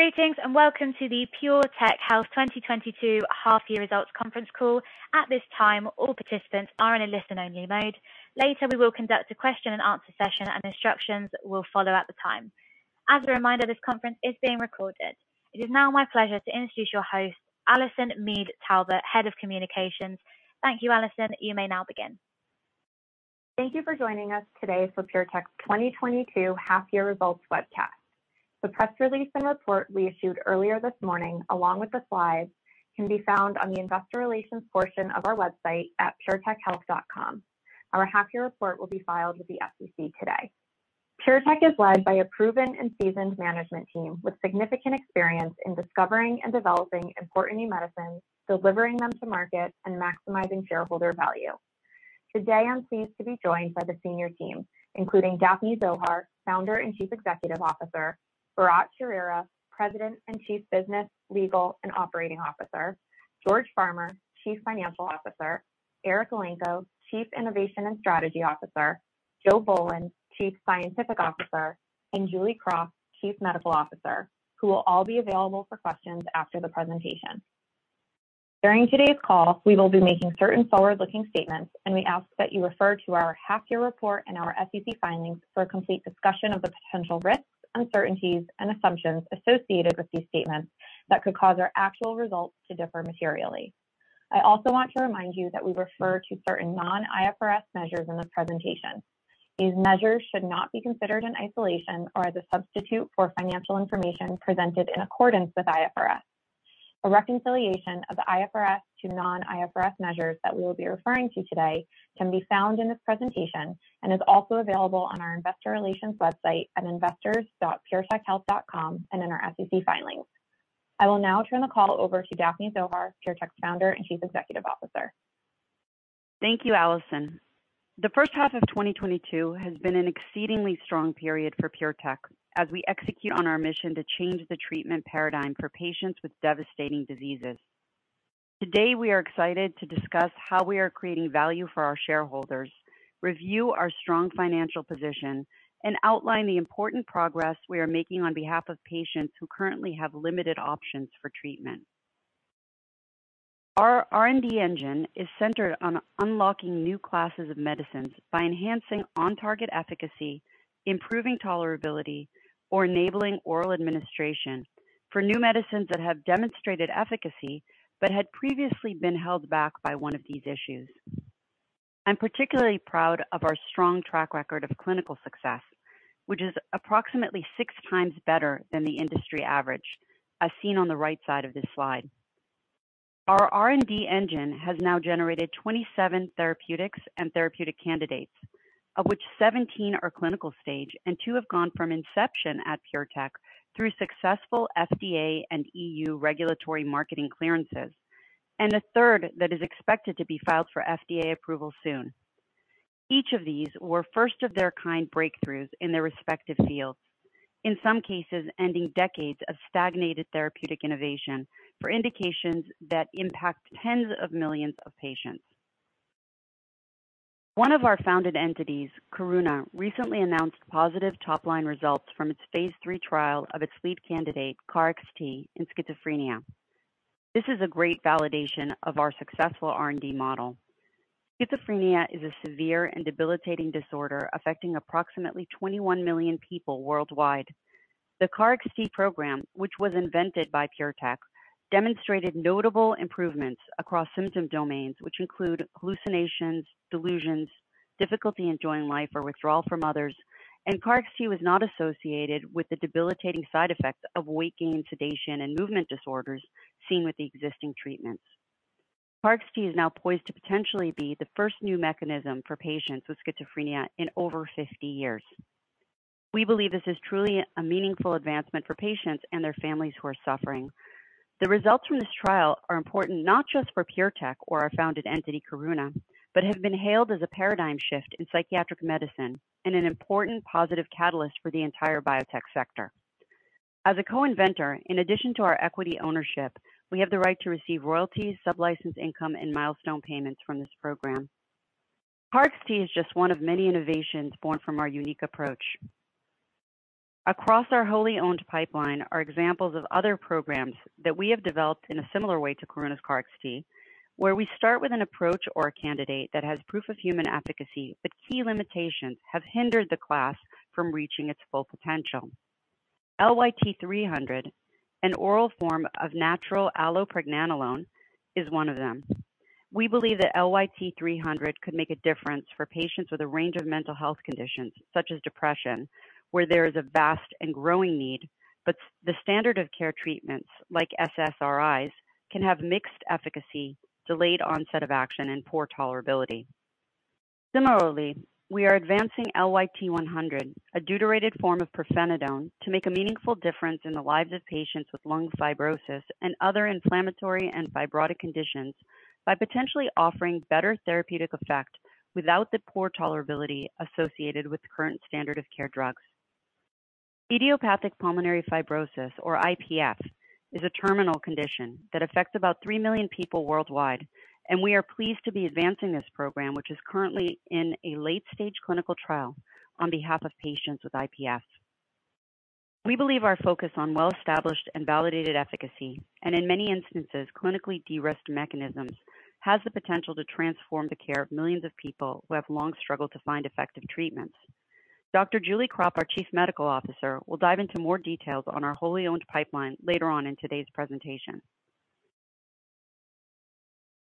Greetings, and welcome to the PureTech Health 2022 Half Year Results Conference Call. At this time, all participants are in a listen-only mode. Later, we will conduct a question and answer session, and instructions will follow at the time. As a reminder, this conference is being recorded. It is now my pleasure to introduce your host, Allison Mead Talbot, Head of Communications. Thank you, Allison. You may now begin. Thank you for joining us today for PureTech's 2022 half year results webcast. The press release and report we issued earlier this morning, along with the slides, can be found on the investor relations portion of our website at puretechhealth.com. Our half year report will be filed with the SEC today. PureTech is led by a proven and seasoned management team with significant experience in discovering and developing important new medicines, delivering them to market, and maximizing shareholder value. Today, I'm pleased to be joined by the senior team, including Daphne Zohar, Founder and Chief Executive Officer, Bharatt Chowrira, President and Chief Business, Legal, and Operating Officer, George Farmer, Chief Financial Officer, Eric Elenko, Chief Innovation and Strategy Officer, Joseph Bolen, Chief Scientific Officer, and Julie Krop, Chief Medical Officer, who will all be available for questions after the presentation. During today's call, we will be making certain forward-looking statements, and we ask that you refer to our half year report and our SEC filings for a complete discussion of the potential risks, uncertainties, and assumptions associated with these statements that could cause our actual results to differ materially. I also want to remind you that we refer to certain non-IFRS measures in this presentation. These measures should not be considered in isolation or as a substitute for financial information presented in accordance with IFRS. A reconciliation of the IFRS to non-IFRS measures that we will be referring to today can be found in this presentation and is also available on our investor relations website at investors.puretechhealth.com and in our SEC filings. I will now turn the call over to Daphne Zohar, PureTech's Founder and Chief Executive Officer. Thank you, Allison. The first half of 2022 has been an exceedingly strong period for PureTech as we execute on our mission to change the treatment paradigm for patients with devastating diseases. Today, we are excited to discuss how we are creating value for our shareholders, review our strong financial position, and outline the important progress we are making on behalf of patients who currently have limited options for treatment. Our R&D engine is centered on unlocking new classes of medicines by enhancing on-target efficacy, improving tolerability, or enabling oral administration for new medicines that have demonstrated efficacy but had previously been held back by one of these issues. I'm particularly proud of our strong track record of clinical success, which is approximately 6 times better than the industry average, as seen on the right side of this slide. Our R&D engine has now generated 27 therapeutics and therapeutic candidates, of which 17 are clinical stage and 2 have gone from inception at PureTech through successful FDA and EU regulatory marketing clearances, and a third that is expected to be filed for FDA approval soon. Each of these were first of their kind breakthroughs in their respective fields, in some cases ending decades of stagnated therapeutic innovation for indications that impact tens of millions of patients. One of our founded entities, Karuna, recently announced positive top-line results from its phase 3 trial of its lead candidate, KarXT, in schizophrenia. This is a great validation of our successful R&D model. Schizophrenia is a severe and debilitating disorder affecting approximately 21 million people worldwide. The KarXT program, which was invented by PureTech, demonstrated notable improvements across symptom domains, which include hallucinations, delusions, difficulty enjoying life, or withdrawal from others. KarXT was not associated with the debilitating side effects of weight gain, sedation, and movement disorders seen with the existing treatments. KarXT is now poised to potentially be the first new mechanism for patients with schizophrenia in over 50 years. We believe this is truly a meaningful advancement for patients and their families who are suffering. The results from this trial are important not just for PureTech or our founded entity, Karuna, but have been hailed as a paradigm shift in psychiatric medicine and an important positive catalyst for the entire biotech sector. As a co-inventor, in addition to our equity ownership, we have the right to receive royalties, sublicense income, and milestone payments from this program. KarXT is just one of many innovations born from our unique approach. Across our wholly owned pipeline are examples of other programs that we have developed in a similar way to Karuna's KarXT, where we start with an approach or a candidate that has proof of human efficacy, but key limitations have hindered the class from reaching its full potential. LYT-300, an oral form of natural allopregnanolone, is one of them. We believe that LYT-300 could make a difference for patients with a range of mental health conditions, such as depression, where there is a vast and growing need, but the standard of care treatments like SSRIs can have mixed efficacy, delayed onset of action, and poor tolerability. Similarly, we are advancing LYT-100, a deuterated form of pirfenidone, to make a meaningful difference in the lives of patients with lung fibrosis and other inflammatory and fibrotic conditions by potentially offering better therapeutic effect without the poor tolerability associated with current standard of care drugs. Idiopathic pulmonary fibrosis, or IPF, is a terminal condition that affects about 3 million people worldwide, and we are pleased to be advancing this program, which is currently in a late-stage clinical trial on behalf of patients with IPF. We believe our focus on well-established and validated efficacy, and in many instances, clinically de-risked mechanisms, has the potential to transform the care of millions of people who have long struggled to find effective treatments. Dr. Julie Krop, our Chief Medical Officer, will dive into more details on our wholly-owned pipeline later on in today's presentation.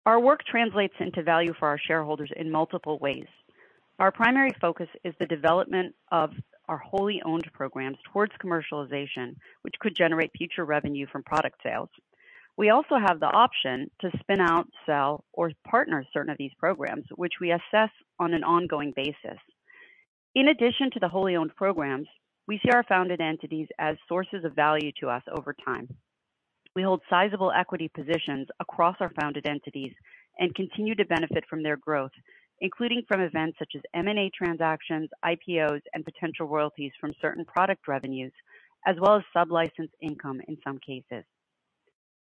Our work translates into value for our shareholders in multiple ways. Our primary focus is the development of our wholly-owned programs towards commercialization, which could generate future revenue from product sales. We also have the option to spin out, sell, or partner certain of these programs, which we assess on an ongoing basis. In addition to the wholly-owned programs, we see our founded entities as sources of value to us over time. We hold sizable equity positions across our founded entities and continue to benefit from their growth, including from events such as M&A transactions, IPOs, and potential royalties from certain product revenues, as well as sublicense income in some cases.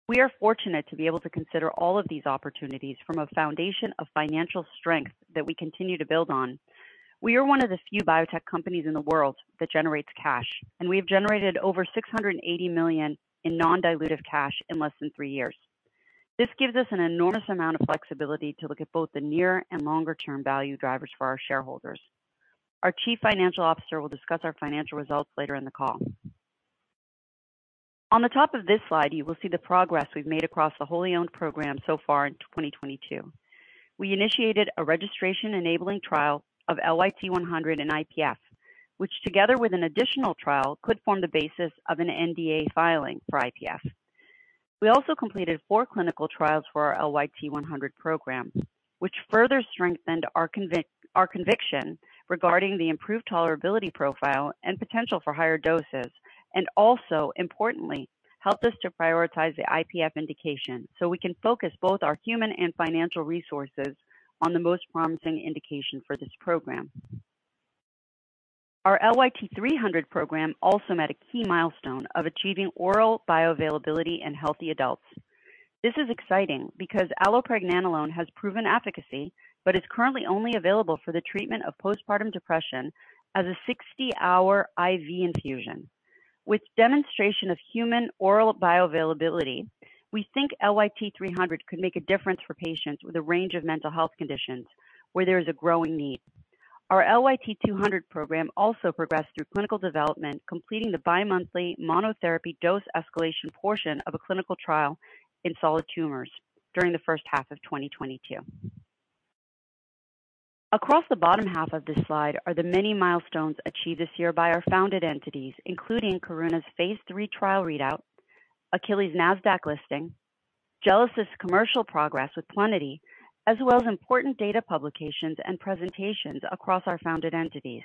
We are fortunate to be able to consider all of these opportunities from a foundation of financial strength that we continue to build on. We are one of the few biotech companies in the world that generates cash, and we have generated over $680 million in non-dilutive cash in less than three years. This gives us an enormous amount of flexibility to look at both the near and longer-term value drivers for our shareholders. Our chief financial officer will discuss our financial results later in the call. On the top of this slide, you will see the progress we've made across the wholly-owned program so far in 2022. We initiated a registration-enabling trial of LYT-100 in IPF, which together with an additional trial could form the basis of an NDA filing for IPF. We also completed 4 clinical trials for our LYT-100 program, which further strengthened our conviction regarding the improved tolerability profile and potential for higher doses, and also importantly, helped us to prioritize the IPF indication so we can focus both our human and financial resources on the most promising indication for this program. Our LYT-300 program also met a key milestone of achieving oral bioavailability in healthy adults. This is exciting because allopregnanolone has proven efficacy but is currently only available for the treatment of postpartum depression as a 60-hour IV infusion. With demonstration of human oral bioavailability, we think LYT-300 could make a difference for patients with a range of mental health conditions where there is a growing need. Our LYT-200 program also progressed through clinical development, completing the bi-monthly monotherapy dose escalation portion of a clinical trial in solid tumors during the first half of 2022. Across the bottom half of this slide are the many milestones achieved this year by our founded entities, including Karuna's phase 3 trial readout, Akili's Nasdaq listing, Gelesis' commercial progress with Plenity, as well as important data publications and presentations across our founded entities.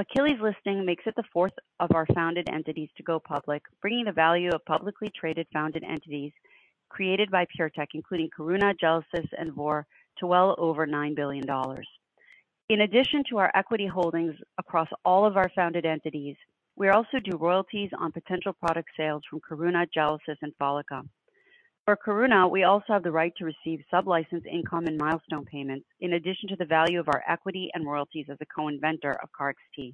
Akili's listing makes it the fourth of our founded entities to go public, bringing the value of publicly traded founded entities created by PureTech, including Karuna, Gelesis, and Vor, to well over $9 billion. In addition to our equity holdings across all of our founded entities, we also do royalties on potential product sales from Karuna, Gelesis, and Follica. For Karuna, we also have the right to receive sublicense income and milestone payments in addition to the value of our equity and royalties as the co-inventor of KarXT.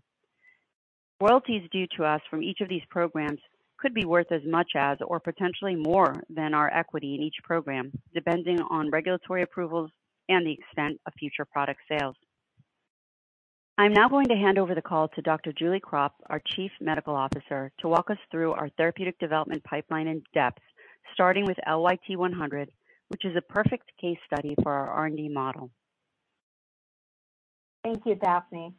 Royalties due to us from each of these programs could be worth as much as or potentially more than our equity in each program, depending on regulatory approvals and the extent of future product sales. I'm now going to hand over the call to Dr. Julie Krop, our Chief Medical Officer, to walk us through our therapeutic development pipeline in depth, starting with LYT-100, which is a perfect case study for our R&D model. Thank you, Daphne.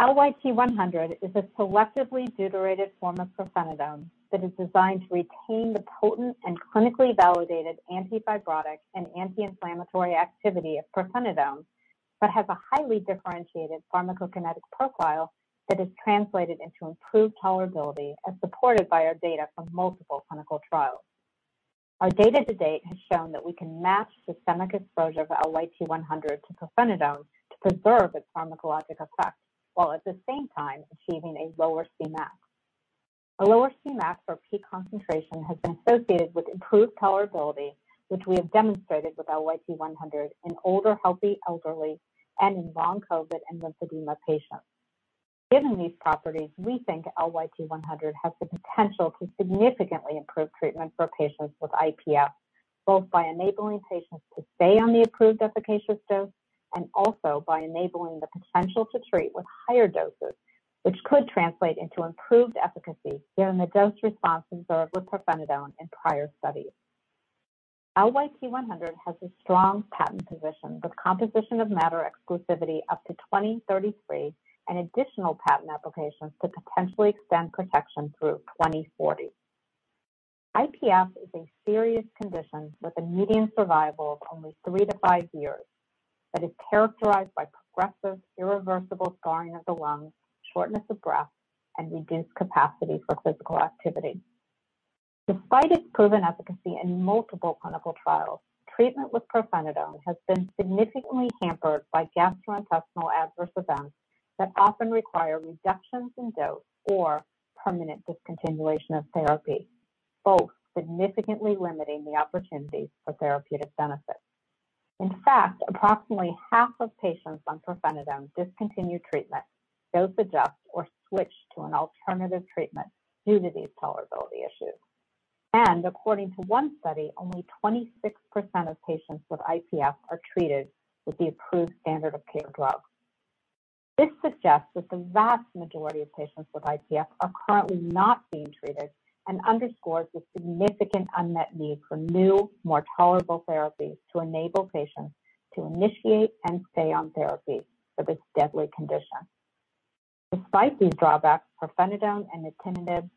LYT-100 is a selectively deuterated form of pirfenidone that is designed to retain the potent and clinically validated anti-fibrotic and anti-inflammatory activity of pirfenidone, but has a highly differentiated pharmacokinetic profile that is translated into improved tolerability as supported by our data from multiple clinical trials. Our data to date has shown that we can match systemic exposure of LYT-100 to pirfenidone to preserve its pharmacologic effect, while at the same time achieving a lower Cmax. A lower Cmax for peak concentration has been associated with improved tolerability, which we have demonstrated with LYT-100 in older, healthy, elderly, and in long COVID and lymphedema patients. Given these properties, we think LYT-100 has the potential to significantly improve treatment for patients with IPF, both by enabling patients to stay on the approved efficacious dose and also by enabling the potential to treat with higher doses, which could translate into improved efficacy given the dose response observed with pirfenidone in prior studies. LYT-100 has a strong patent position with composition of matter exclusivity up to 2033 and additional patent applications to potentially extend protection through 2040. IPF is a serious condition with a median survival of only 3-5 years that is characterized by progressive, irreversible scarring of the lungs, shortness of breath, and reduced capacity for physical activity. Despite its proven efficacy in multiple clinical trials, treatment with pirfenidone has been significantly hampered by gastrointestinal adverse events that often require reductions in dose or permanent discontinuation of therapy, both significantly limiting the opportunities for therapeutic benefit. In fact, approximately half of patients on pirfenidone discontinue treatment, dose adjust, or switch to an alternative treatment due to these tolerability issues. According to one study, only 26% of patients with IPF are treated with the approved standard of care drug. This suggests that the vast majority of patients with IPF are currently not being treated and underscores the significant unmet need for new, more tolerable therapies to enable patients to initiate and stay on therapy for this deadly condition. Despite these drawbacks, pirfenidone and nintedanib,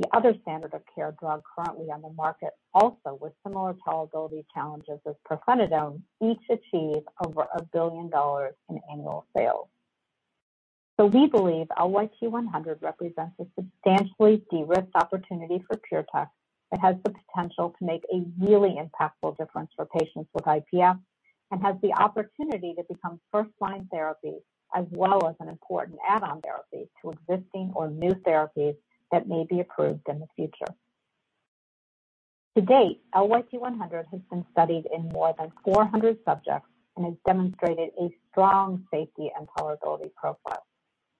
the other standard of care drug currently on the market also with similar tolerability challenges as pirfenidone, each achieve over $1 billion in annual sales. We believe LYT-100 represents a substantially de-risked opportunity for PureTech that has the potential to make a really impactful difference for patients with IPF and has the opportunity to become first-line therapy as well as an important add-on therapy to existing or new therapies that may be approved in the future. To date, LYT-100 has been studied in more than 400 subjects and has demonstrated a strong safety and tolerability profile,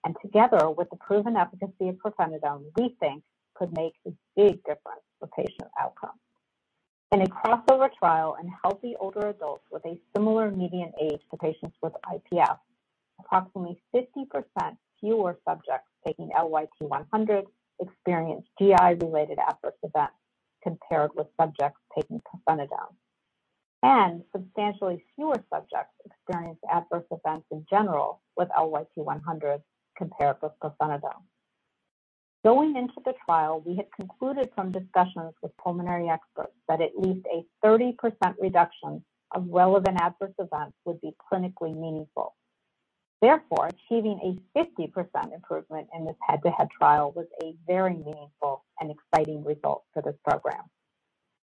and together with the proven efficacy of pirfenidone, we think could make a big difference for patient outcomes. In a crossover trial in healthy older adults with a similar median age to patients with IPF, approximately 50% fewer subjects taking LYT-100 experienced GI-related adverse events compared with subjects taking pirfenidone, and substantially fewer subjects experienced adverse events in general with LYT-100 compared with pirfenidone. Going into the trial, we had concluded from discussions with pulmonary experts that at least a 30% reduction of relevant adverse events would be clinically meaningful. Therefore, achieving a 50% improvement in this head-to-head trial was a very meaningful and exciting result for this program.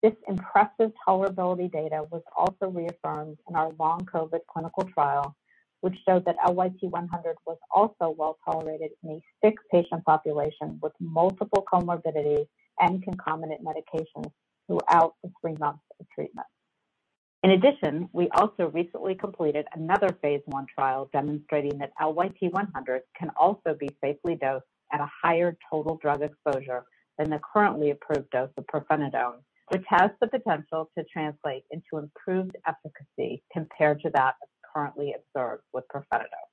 This impressive tolerability data was also reaffirmed in our long COVID clinical trial, which showed that LYT-100 was also well-tolerated in a sick patient population with multiple comorbidities and concomitant medications throughout the three months of treatment. In addition, we also recently completed another phase 1 trial demonstrating that LYT-100 can also be safely dosed at a higher total drug exposure than the currently approved dose of pirfenidone, which has the potential to translate into improved efficacy compared to that currently observed with pirfenidone.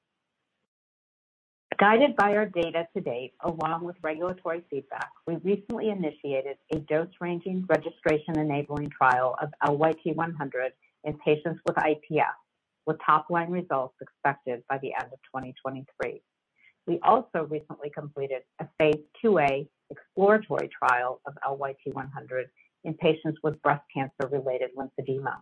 Guided by our data to date along with regulatory feedback, we recently initiated a dose ranging registration-enabling trial of LYT-100 in patients with IPF, with top-line results expected by the end of 2023. We also recently completed a phase 2A exploratory trial of LYT-100 in patients with breast cancer-related lymphedema.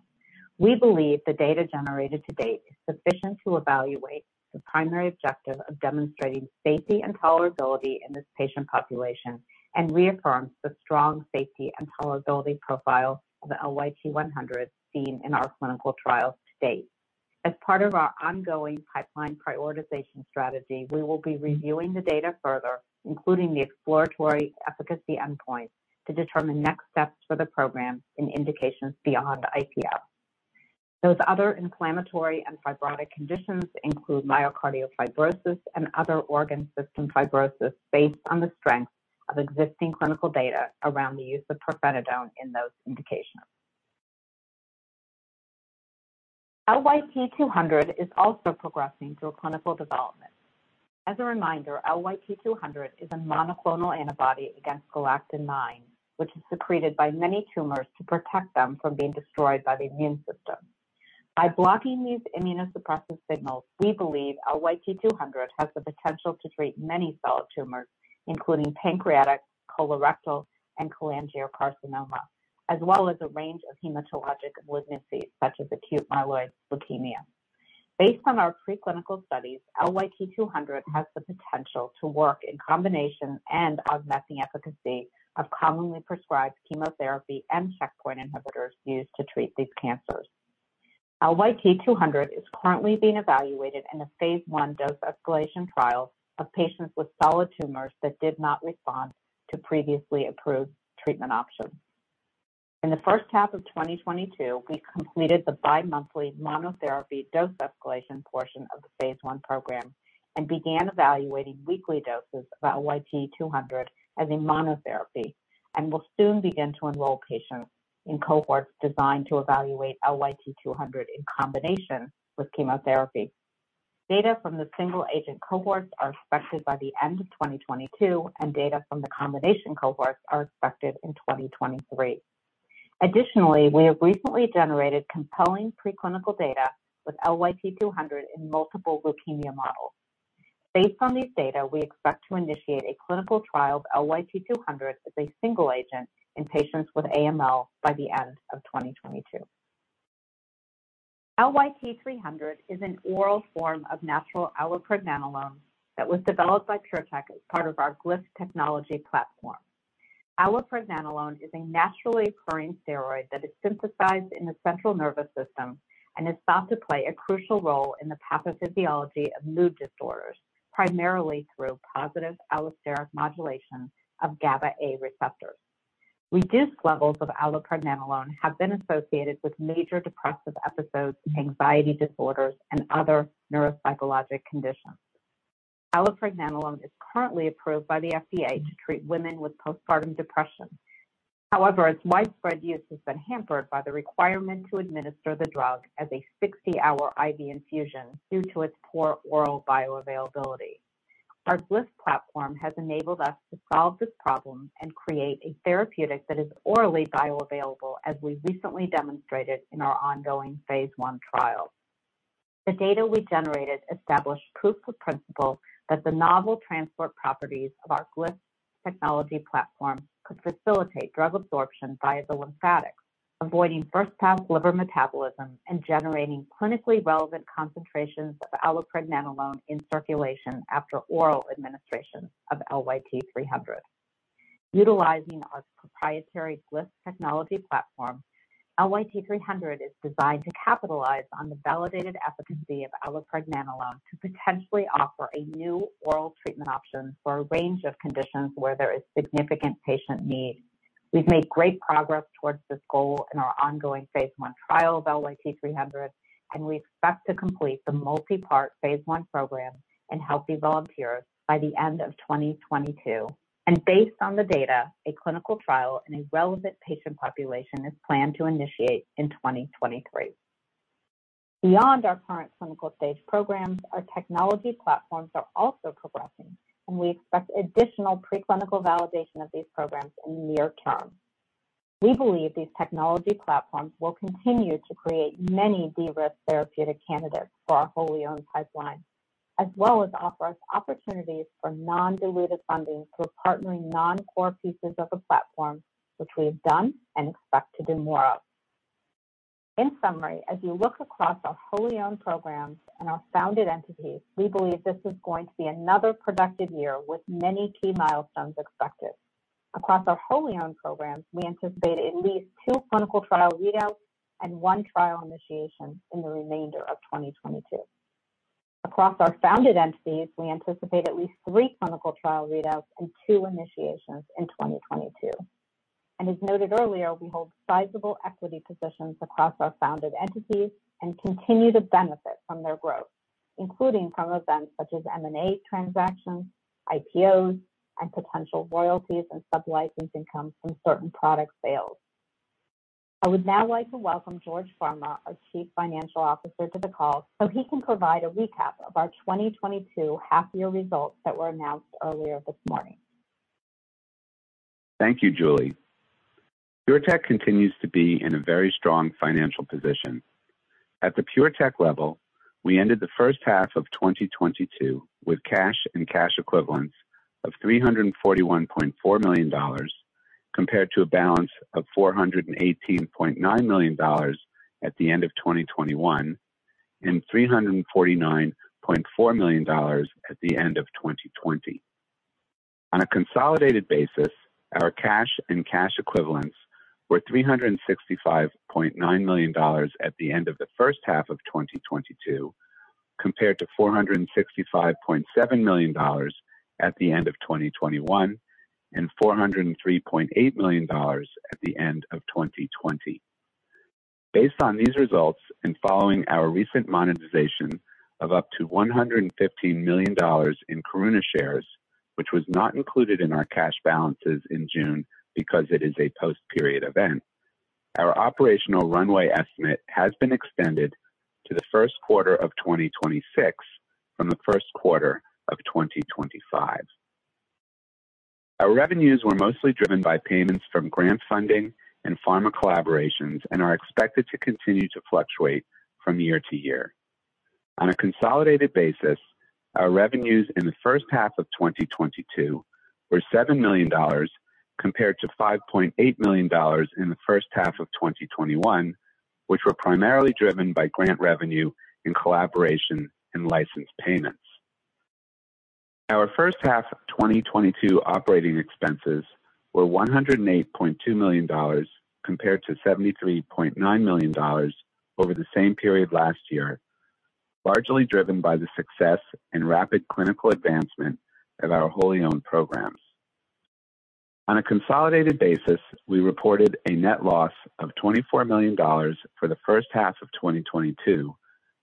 We believe the data generated to date is sufficient to evaluate the primary objective of demonstrating safety and tolerability in this patient population and reaffirms the strong safety and tolerability profile of LYT-100 seen in our clinical trials to date. As part of our ongoing pipeline prioritization strategy, we will be reviewing the data further, including the exploratory efficacy endpoint, to determine next steps for the program in indications beyond IPF. Those other inflammatory and fibrotic conditions include myocardial fibrosis and other organ system fibrosis based on the strength of existing clinical data around the use of pirfenidone in those indications. LYT-200 is also progressing through clinical development. As a reminder, LYT-200 is a monoclonal antibody against galectin-9, which is secreted by many tumors to protect them from being destroyed by the immune system. By blocking these immunosuppressive signals, we believe LYT-200 has the potential to treat many solid tumors, including pancreatic, colorectal, and cholangiocarcinoma, as well as a range of hematologic malignancies such as acute myeloid leukemia. Based on our preclinical studies, LYT-200 has the potential to work in combination and augmenting efficacy of commonly prescribed chemotherapy and checkpoint inhibitors used to treat these cancers. LYT-200 is currently being evaluated in a phase 1 dose escalation trial of patients with solid tumors that did not respond to previously approved treatment options. In the first half of 2022, we completed the bi-monthly monotherapy dose escalation portion of the phase 1 program and began evaluating weekly doses of LYT-200 as a monotherapy and will soon begin to enroll patients in cohorts designed to evaluate LYT-200 in combination with chemotherapy. Data from the single agent cohorts are expected by the end of 2022, and data from the combination cohorts are expected in 2023. Additionally, we have recently generated compelling preclinical data with LYT-200 in multiple leukemia models. Based on these data, we expect to initiate a clinical trial of LYT-200 as a single agent in patients with AML by the end of 2022. LYT-300 is an oral form of natural allopregnanolone that was developed by PureTech as part of our Glyph technology platform. Allopregnanolone is a naturally occurring steroid that is synthesized in the central nervous system and is thought to play a crucial role in the pathophysiology of mood disorders, primarily through positive allosteric modulation of GABA-A receptors. Reduced levels of allopregnanolone have been associated with major depressive episodes, anxiety disorders, and other neuropsychological conditions. Allopregnanolone is currently approved by the FDA to treat women with postpartum depression. However, its widespread use has been hampered by the requirement to administer the drug as a 60-hour IV infusion due to its poor oral bioavailability. Our Glyph platform has enabled us to solve this problem and create a therapeutic that is orally bioavailable, as we recently demonstrated in our ongoing phase 1 trial. The data we generated established proof of principle that the novel transport properties of our Glyph technology platform could facilitate drug absorption via the lymphatics, avoiding first pass liver metabolism and generating clinically relevant concentrations of allopregnanolone in circulation after oral administration of LYT-300. Utilizing our proprietary Glyph technology platform, LYT-300 is designed to capitalize on the validated efficacy of allopregnanolone to potentially offer a new oral treatment option for a range of conditions where there is significant patient need. We've made great progress towards this goal in our ongoing phase 1 trial of LYT-300, and we expect to complete the multi-part phase 1 program in healthy volunteers by the end of 2022. Based on the data, a clinical trial in a relevant patient population is planned to initiate in 2023. Beyond our current clinical stage programs, our technology platforms are also progressing, and we expect additional preclinical validation of these programs in near term. We believe these technology platforms will continue to create many de-risk therapeutic candidates for our wholly-owned pipeline, as well as offer us opportunities for non-dilutive funding through partnering non-core pieces of the platform, which we have done and expect to do more of. In summary, as you look across our wholly owned programs and our founded entities, we believe this is going to be another productive year with many key milestones expected. Across our wholly owned programs, we anticipate at least two clinical trial readouts and one trial initiation in the remainder of 2022. Across our founded entities, we anticipate at least 3 clinical trial readouts and 2 initiations in 2022. As noted earlier, we hold sizable equity positions across our founded entities and continue to benefit from their growth, including from events such as M&A transactions, IPOs, and potential royalties and sub-licensing income from certain product sales. I would now like to welcome George Farmer, our Chief Financial Officer, to the call so he can provide a recap of our 2022 half year results that were announced earlier this morning. Thank you, Julie. PureTech continues to be in a very strong financial position. At the PureTech level, we ended the first half of 2022 with cash and cash equivalents of $341.4 million, compared to a balance of $418.9 million at the end of 2021, and $349.4 million at the end of 2020. On a consolidated basis, our cash and cash equivalents were $365.9 million at the end of the first half of 2022, compared to $465.7 million at the end of 2021, and $403.8 million at the end of 2020. Based on these results, following our recent monetization of up to $115 million in Karuna shares, which was not included in our cash balances in June because it is a post-period event, our operational runway estimate has been extended to the Q1 of 2026 from the Q1 of 2025. Our revenues were mostly driven by payments from grant funding and pharma collaborations and are expected to continue to fluctuate from year to year. On a consolidated basis, our revenues in the first half of 2022 were $7 million compared to $5.8 million in the first half of 2021, which were primarily driven by grant revenue and collaboration and license payments. Our first half of 2022 operating expenses were $108.2 million compared to $73.9 million over the same period last year, largely driven by the success and rapid clinical advancement of our wholly owned programs. On a consolidated basis, we reported a net loss of $24 million for the first half of 2022,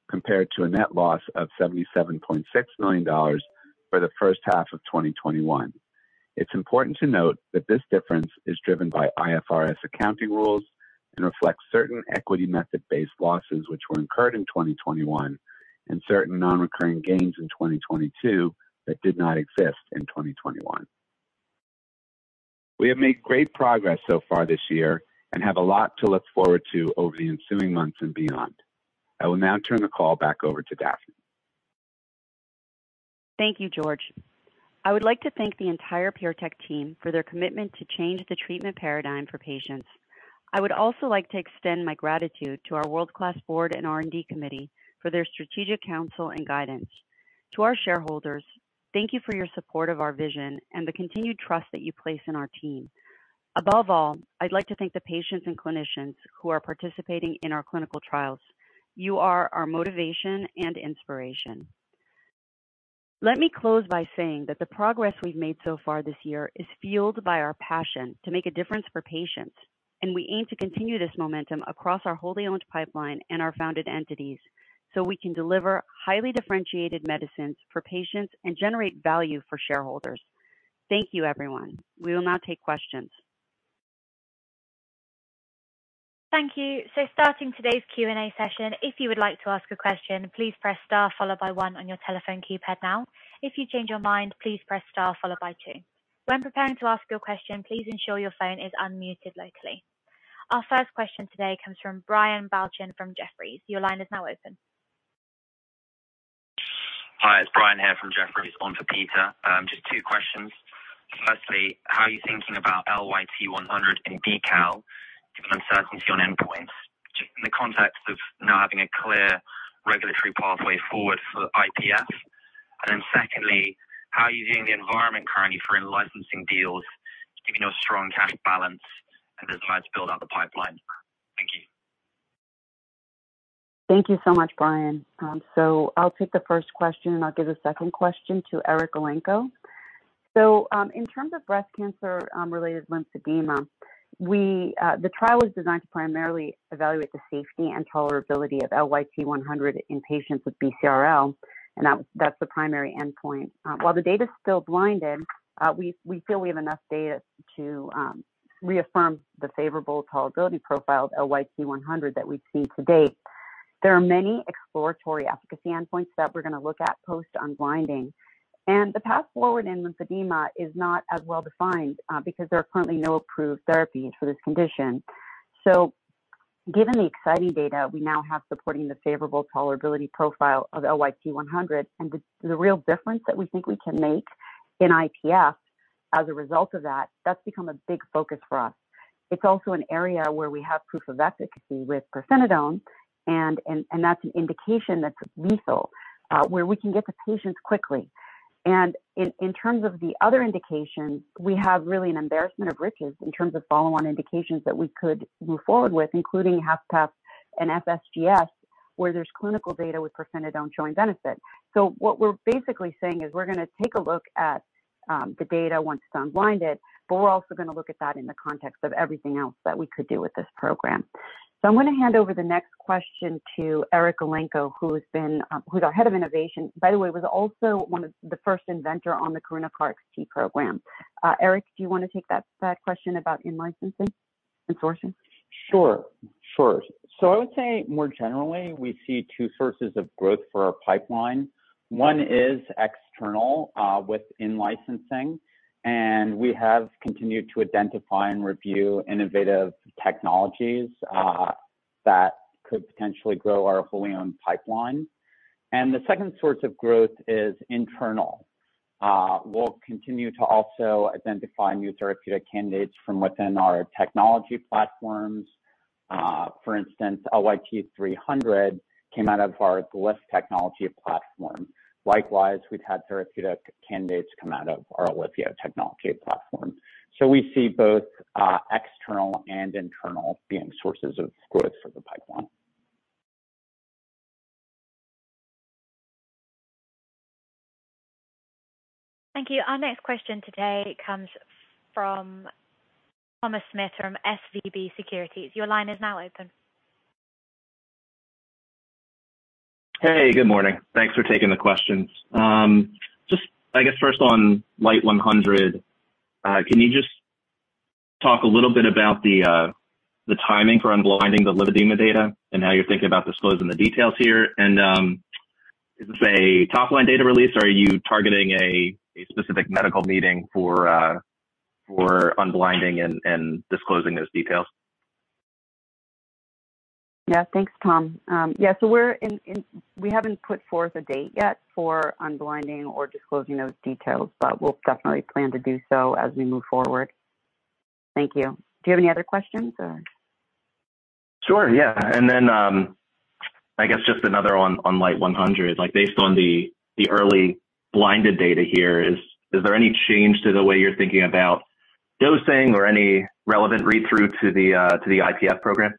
compared to a net loss of $77.6 million for the first half of 2021. It's important to note that this difference is driven by IFRS accounting rules and reflects certain equity method-based losses which were incurred in 2021 and certain non-recurring gains in 2022 that did not exist in 2021. We have made great progress so far this year and have a lot to look forward to over the ensuing months and beyond. I will now turn the call back over to Daphne. Thank you, George. I would like to thank the entire PureTech team for their commitment to change the treatment paradigm for patients. I would also like to extend my gratitude to our world-class board and R&D committee for their strategic counsel and guidance. To our shareholders, thank you for your support of our vision and the continued trust that you place in our team. Above all, I'd like to thank the patients and clinicians who are participating in our clinical trials. You are our motivation and inspiration. Let me close by saying that the progress we've made so far this year is fueled by our passion to make a difference for patients, and we aim to continue this momentum across our wholly-owned pipeline and our founded entities so we can deliver highly differentiated medicines for patients and generate value for shareholders. Thank you, everyone. We will now take questions. Thank you. Starting today's Q&A session, if you would like to ask a question, please press star followed by one on your telephone keypad now. If you change your mind, please press star followed by two. When preparing to ask your question please ensure your phone is unmuted locally. Our first question today comes from Brian Balchin from Jefferies. Your line is now open. Hi, it's Brian here from Jefferies on for Peter. Just two questions. Firstly, how are you thinking about LYT-100 in detail given uncertainty on endpoints, just in the context of now having a clear regulatory pathway forward for IPF? Then secondly, how are you viewing the environment currently for in-licensing deals, given your strong cash balance and desire to build out the pipeline? Thank you. Thank you so much, Brian. I'll take the first question, and I'll give the second question to Eric Elenko. In terms of breast cancer related lymphedema, the trial was designed to primarily evaluate the safety and tolerability of LYT-100 in patients with BCRL, and that's the primary endpoint. While the data is still blinded, we feel we have enough data to reaffirm the favorable tolerability profile of LYT-100 that we've seen to date. There are many exploratory efficacy endpoints that we're gonna look at post unblinding. The path forward in lymphedema is not as well defined because there are currently no approved therapies for this condition. Given the exciting data we now have supporting the favorable tolerability profile of LYT-100 and the real difference that we think we can make in IPF as a result of that's become a big focus for us. It's also an area where we have proof of efficacy with pirfenidone, and that's an indication that's lethal, where we can get to patients quickly. In terms of the other indications, we have really an embarrassment of riches in terms of follow-on indications that we could move forward with, including HFpEF and FSGS, where there's clinical data with pirfenidone benefit. What we're basically saying is we're gonna take a look at the data once it's unblinded, but we're also gonna look at that in the context of everything else that we could do with this program. I'm gonna hand over the next question to Eric Elenko, who's our head of innovation. By the way, was also one of the first inventor on the Karuna-PARP program. Eric, do you wanna take that question about in-licensing and sourcing? Sure. I would say more generally, we see two sources of growth for our pipeline. One is external, with in-licensing, and we have continued to identify and review innovative technologies, that could potentially grow our wholly-owned pipeline. The second source of growth is internal. We'll continue to also identify new therapeutic candidates from within our technology platforms. For instance, LYT-300 came out of our Glyph technology platform. Likewise, we've had therapeutic candidates come out of our OLIVIO technology platform. We see both, external and internal being sources of growth for the pipeline. Thank you. Our next question today comes from Thomas Smith from SVB Securities. Your line is now open. Hey, good morning. Thanks for taking the questions. Just I guess first on LYT 100, can you just talk a little bit about the timing for unblinding the lymphedema data and how you're thinking about disclosing the details here? Is this a top-line data release, or are you targeting a specific medical meeting for unblinding and disclosing those details? Yeah. Thanks, Tom. Yeah, we haven't put forth a date yet for unblinding or disclosing those details, but we'll definitely plan to do so as we move forward. Thank you. Do you have any other questions or? Sure. Yeah. I guess just another one on LYT 100. Like, based on the early blinded data here, is there any change to the way you're thinking about dosing or any relevant read-through to the IPF program?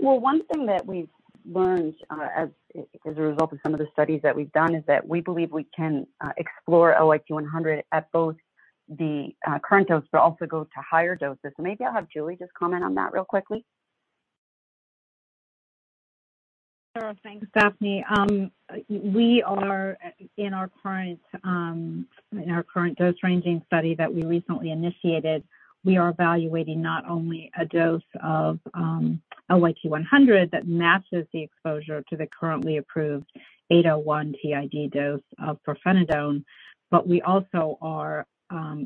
Well, one thing that we've learned as a result of some of the studies that we've done is that we believe we can explore LYT 100 at both the current dose but also go to higher doses. Maybe I'll have Julie just comment on that real quickly. Sure. Thanks, Daphne. We are in our current. In our current dose-ranging study that we recently initiated, we are evaluating not only a dose of LYT-100 that matches the exposure to the currently approved 801 TID dose of pirfenidone, but we also are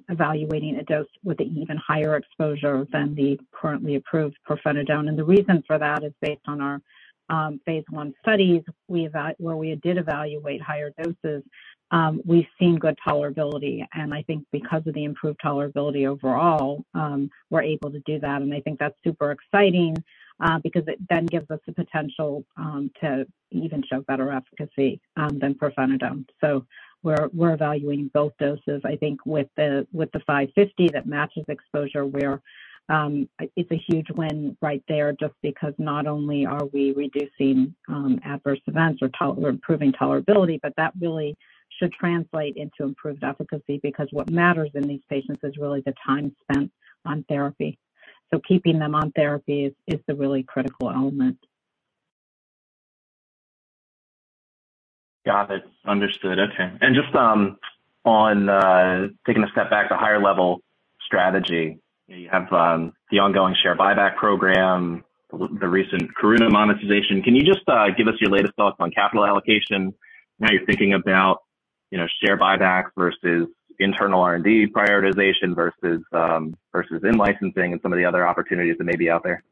evaluating a dose with an even higher exposure than the currently approved pirfenidone. The reason for that is based on our phase 1 studies, where we did evaluate higher doses, we've seen good tolerability. I think because of the improved tolerability overall, we're able to do that. I think that's super exciting, because it then gives us the potential to even show better efficacy than pirfenidone. We're evaluating both doses. I think with the 550 that matches exposure where it's a huge win right there just because not only are we reducing adverse events, we're improving tolerability, but that really should translate into improved efficacy because what matters in these patients is really the time spent on therapy. Keeping them on therapy is the really critical element. Got it. Understood. Okay. Just on taking a step back to higher level strategy, you have the ongoing share buyback program, the recent Karuna monetization. Can you just give us your latest thoughts on capital allocation, how you're thinking about, you know, share buybacks versus internal R&D prioritization versus in-licensing and some of the other opportunities that may be out there?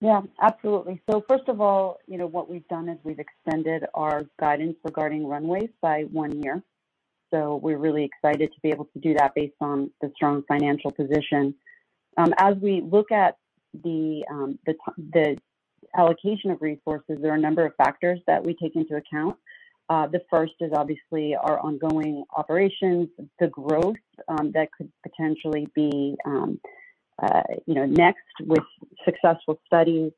Yeah, absolutely. First of all, you know, what we've done is we've extended our guidance regarding runways by 1 year. We're really excited to be able to do that based on the strong financial position. As we look at the allocation of resources, there are a number of factors that we take into account. The first is obviously our ongoing operations, the growth that could potentially be, you know, next with successful studies.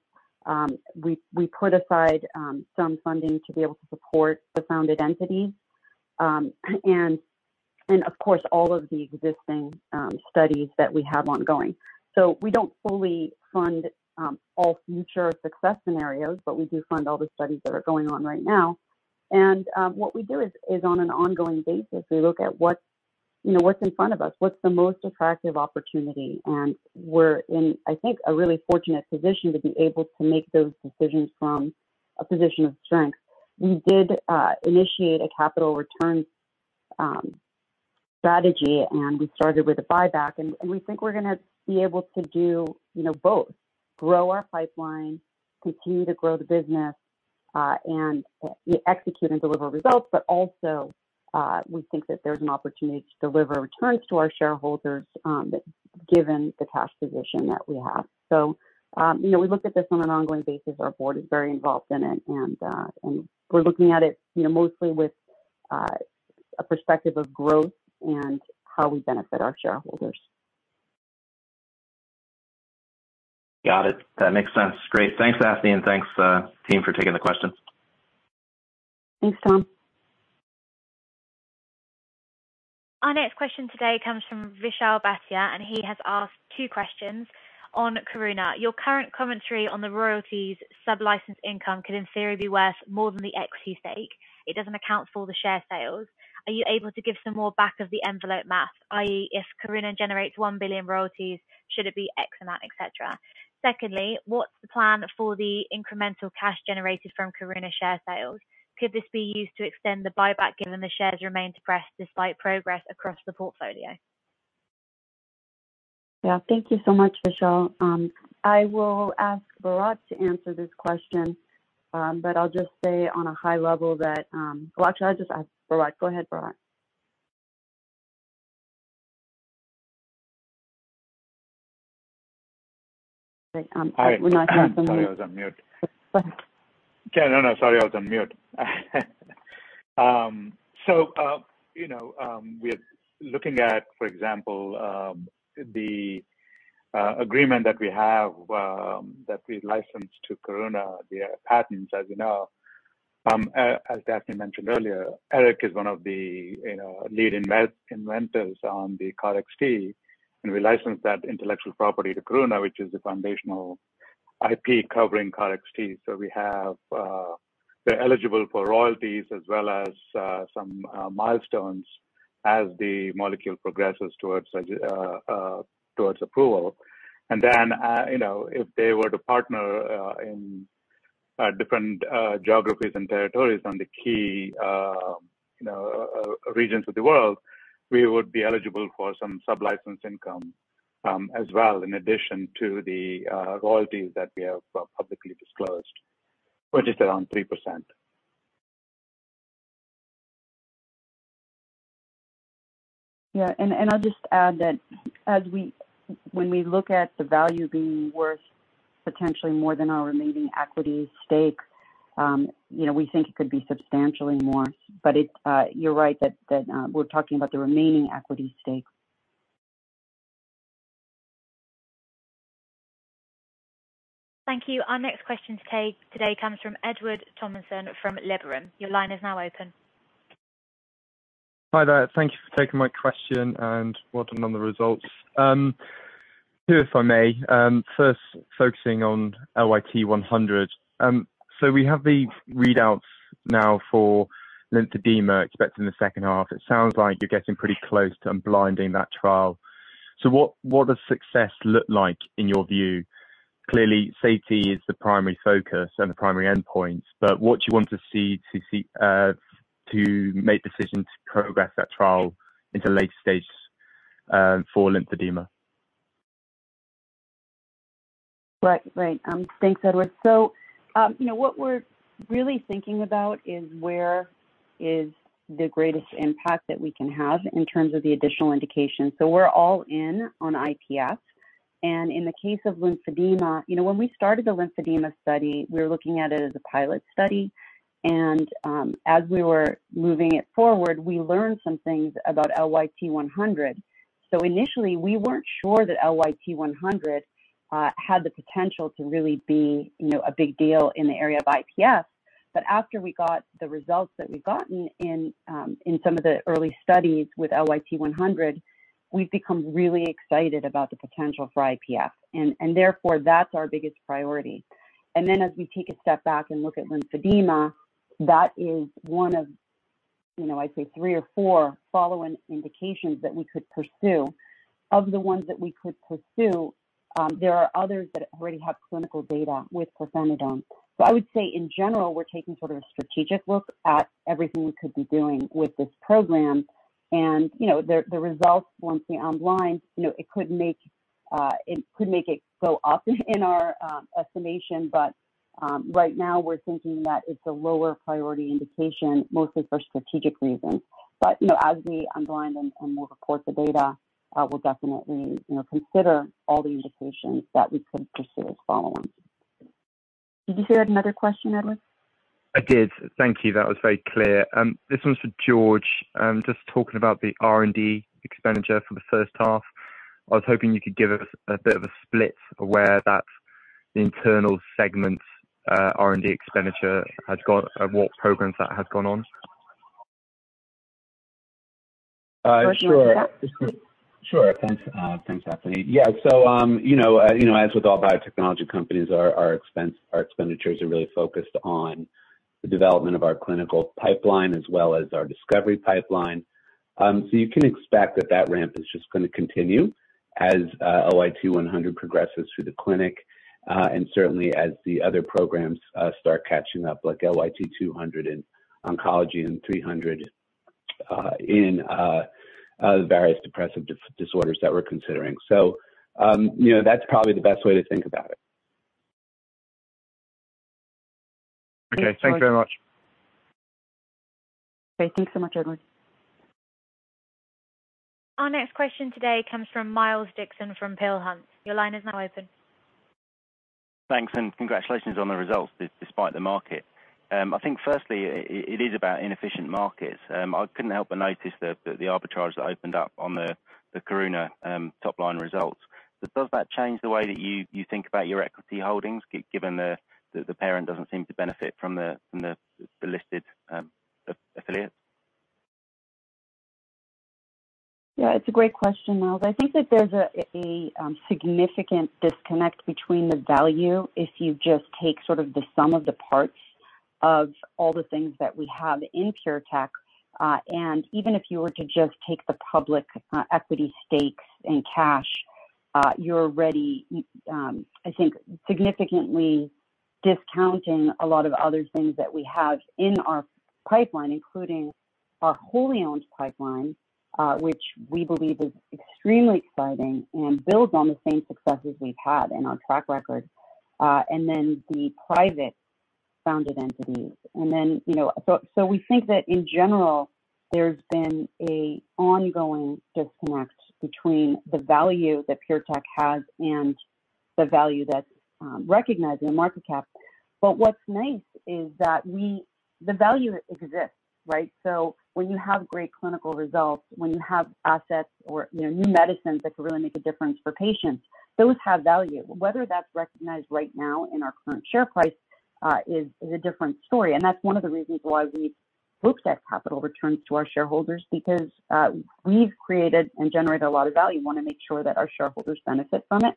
We put aside some funding to be able to support the founded entity. Of course, all of the existing studies that we have ongoing. We don't fully fund all future success scenarios, but we do fund all the studies that are going on right now. What we do is on an ongoing basis, we look at what's, you know, what's in front of us, what's the most attractive opportunity. We're in, I think, a really fortunate position to be able to make those decisions from a position of strength. We did initiate a capital return strategy, and we started with a buyback. We think we're gonna be able to do, you know, both grow our pipeline, continue to grow the business, and execute and deliver results, but also, we think that there's an opportunity to deliver returns to our shareholders, given the cash position that we have. You know, we look at this on an ongoing basis. Our board is very involved in it. We're looking at it, you know, mostly with a perspective of growth and how we benefit our shareholders. Got it. That makes sense. Great. Thanks, Daphne. Thanks, team, for taking the question. Thanks, Tom. Our next question today comes from Vishal Bhatia, and he has asked two questions on Karuna. Your current commentary on the royalties sub-license income could in theory be worth more than the equity stake. It doesn't account for the share sales. Are you able to give some more back-of-the-envelope math, i.e., if Karuna generates $1 billion royalties, should it be X amount, et cetera? Secondly, what's the plan for the incremental cash generated from Karuna share sales? Could this be used to extend the buyback given the shares remain depressed despite progress across the portfolio? Yeah. Thank you so much, Vishal. I will ask Bharat to answer this question. Go ahead, Bharat. Hi. When I put them- Sorry, I was on mute. Go ahead. Yeah. No. Sorry, I was on mute. We are looking at, for example, the agreement that we have that we licensed to Karuna, the patents, as you know. As Daphne mentioned earlier, Eric is one of the lead inventors on the KarXT, and we licensed that intellectual property to Karuna, which is the foundational IP covering KarXT. We have, they're eligible for royalties as well as some milestones as the molecule progresses towards approval. You know, if they were to partner in different geographies and territories on the key you know regions of the world, we would be eligible for some sublicense income, as well, in addition to the royalties that we have publicly disclosed, which is around 3%. Yeah. I'll just add that when we look at the value being worth potentially more than our remaining equity stake, you know, we think it could be substantially more. It's, you're right, that we're talking about the remaining equity stake. Thank you. Our next question today comes from Edward Thomason from Liberum. Your line is now open. Hi there. Thank you for taking my question and welcome on the results. Two, if I may. First focusing on LYT-100. We have the readouts now for lymphedema expecting the second half. It sounds like you're getting pretty close to unblinding that trial. What does success look like in your view? Clearly, safety is the primary focus and the primary endpoint, but what do you want to see to make decisions to progress that trial into later stages for lymphedema? Right. Thanks, Edward. You know, what we're really thinking about is where is the greatest impact that we can have in terms of the additional indication. We're all in on IPF. In the case of lymphedema, you know, when we started the lymphedema study, we were looking at it as a pilot study. As we were moving it forward, we learned some things about LYT-100. Initially, we weren't sure that LYT-100 had the potential to really be, you know, a big deal in the area of IPF. But after we got the results that we've gotten in some of the early studies with LYT-100, we've become really excited about the potential for IPF, and therefore, that's our biggest priority. As we take a step back and look at lymphedema, that is one of, you know, I'd say three or four follow-on indications that we could pursue. Of the ones that we could pursue, there are others that already have clinical data with pirfenidone. I would say in general, we're taking sort of a strategic look at everything we could be doing with this program. You know, the results once they unblind, you know, it could make it go up in our estimation. Right now we're thinking that it's a lower priority indication, mostly for strategic reasons. You know, as we unblind them and we'll report the data, we'll definitely, you know, consider all the indications that we could pursue as follow-ons. Did you have another question, Edward? I did. Thank you. That was very clear. This one's for George. Just talking about the R&D expenditure for the first half. I was hoping you could give us a bit of a split of where that internal segment R&D expenditure has gone and what programs that has gone on. George, do you want to take that? Thanks, Daphne Zohar. Yeah. You know, as with all biotechnology companies, our expenses, our expenditures are really focused on the development of our clinical pipeline as well as our discovery pipeline. You can expect that ramp is just gonna continue as LYT-100 progresses through the clinic, and certainly as the other programs start catching up, like LYT-200 in oncology and LYT-300 in the various depressive disorders that we're considering. You know, that's probably the best way to think about it. Okay. Thanks very much. Great. Thanks so much, Edward. Our next question today comes from Miles Dixon from Peel Hunt. Your line is now open. Thanks, and congratulations on the results despite the market. I think firstly it is about inefficient markets. I couldn't help but notice the arbitrage that opened up on the Karuna top-line results. Does that change the way that you think about your equity holdings given that the parent doesn't seem to benefit from the listed affiliate? Yeah, it's a great question, Miles. I think that there's a significant disconnect between the value if you just take sort of the sum of the parts of all the things that we have in PureTech. Even if you were to just take the public equity stakes in cash, you're already, I think significantly discounting a lot of other things that we have in our pipeline, including our wholly owned pipeline, which we believe is extremely exciting and builds on the same successes we've had and our track record, and then the private-founded entities. We think that in general, there's been an ongoing disconnect between the value that PureTech has and the value that's recognized in the market cap. What's nice is that the value exists, right? When you have great clinical results, when you have assets or, you know, new medicines that can really make a difference for patients, those have value. Whether that's recognized right now in our current share price is a different story. That's one of the reasons why we've looked at capital returns to our shareholders because we've created and generated a lot of value. We wanna make sure that our shareholders benefit from it.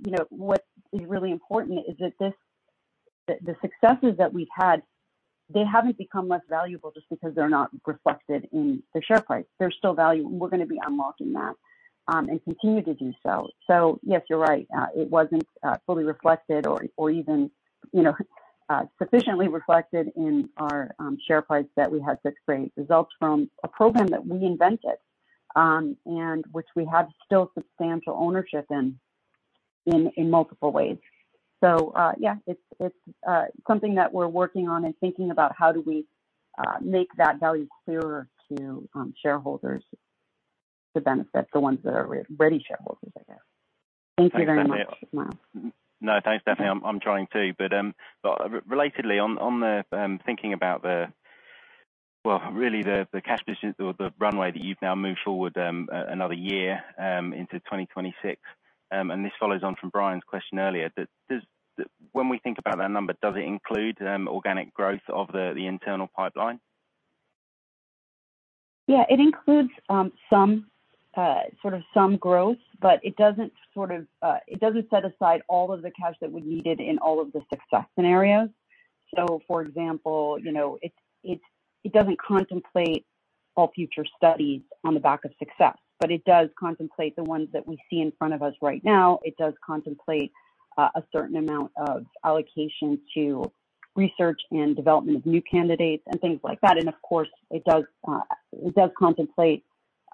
You know, what is really important is that the successes that we've had, they haven't become less valuable just because they're not reflected in the share price. There's still value, and we're gonna be unlocking that and continue to do so. Yes, you're right. It wasn't fully reflected or even, you know, sufficiently reflected in our share price that we had such great results from a program that we invented, and which we have still substantial ownership in multiple ways. Yeah, it's something that we're working on and thinking about how do we make that value clearer to shareholders to benefit the ones that are ready shareholders, I guess. Thank you very much, Miles. No, thanks, Daphne. I'm trying to. Relatedly, well, really the cash position or the runway that you've now moved forward, another year, into 2026. This follows on from Brian's question earlier. When we think about that number, does it include organic growth of the internal pipeline? Yeah. It includes some sort of growth, but it doesn't set aside all of the cash that we needed in all of the success scenarios. For example, you know, it doesn't contemplate all future studies on the back of success, but it does contemplate the ones that we see in front of us right now. It does contemplate a certain amount of allocation to research and development of new candidates and things like that. Of course, it does contemplate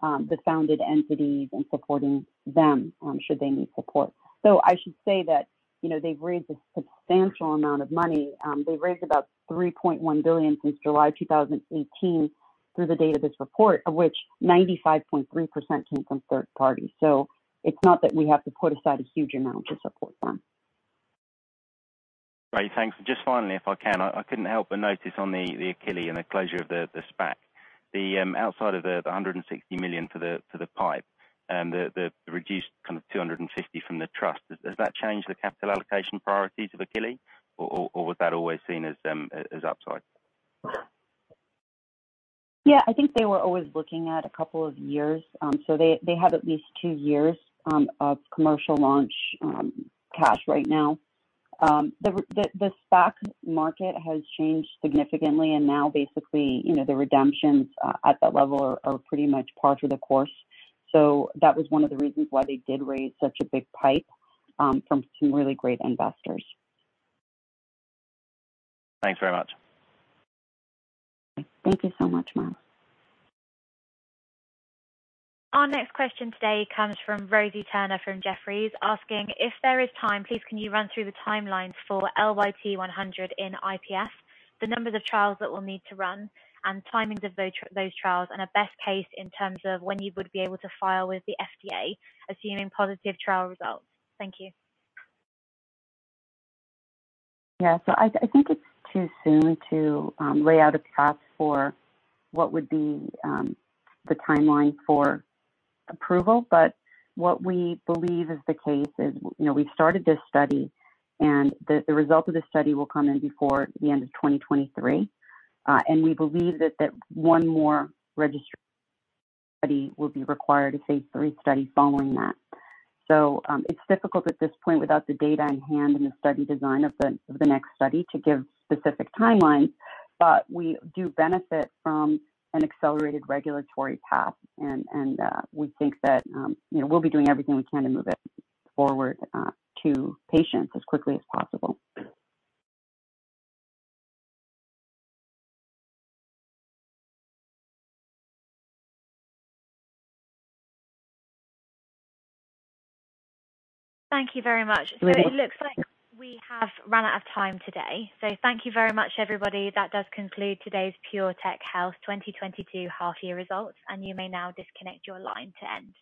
the founded entities and supporting them, should they need support. I should say that, you know, they've raised a substantial amount of money. They've raised about $3.1 billion since July 2018 through the date of this report, of which 95.3% came from third party. It's not that we have to put aside a huge amount to support them. Great. Thanks. Just finally, if I can, I couldn't help but notice on the Akili and the closure of the SPAC, outside of the $160 million for the PIPE and the reduced kind of $250 million from the trust. Has that changed the capital allocation priorities of Akili, or was that always seen as upside? Yeah. I think they were always looking at a couple of years. They have at least two years of commercial launch cash right now. The SPAC market has changed significantly, and now basically, you know, the redemptions at that level are pretty much par for the course. That was one of the reasons why they did raise such a big PIPE from some really great investors. Thanks very much. Thank you so much, Miles. Our next question today comes from Rosie Turner from Jefferies asking, if there is time, please can you run through the timelines for LYT-100 in IPF, the numbers of trials that we'll need to run, and timings of those trials and a best case in terms of when you would be able to file with the FDA, assuming positive trial results? Thank you. Yeah. I think it's too soon to lay out a path for what would be the timeline for approval. What we believe is the case is, you know, we've started this study, and the result of the study will come in before the end of 2023. We believe that one more registry study will be required, a phase 3 study following that. It's difficult at this point without the data in hand and the study design of the next study to give specific timelines, but we do benefit from an accelerated regulatory path. We think that, you know, we'll be doing everything we can to move it forward to patients as quickly as possible. Thank you very much. You're welcome. It looks like we have run out of time today. Thank you very much, everybody. That does conclude today's PureTech Health 2022 half year results, and you may now disconnect your line to end.